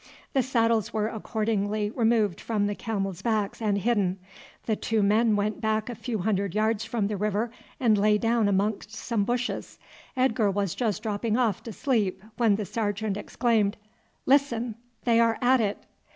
The saddles were accordingly removed from the camels' backs and hidden; the two men went back a few hundred yards from the river and lay down amongst some bushes. Edgar was just dropping off to sleep, when the sergeant exclaimed, "Listen! they are at it."